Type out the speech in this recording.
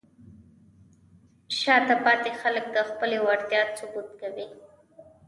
شاته پاتې خلک د خپلې وړتیا ثبوت کوي.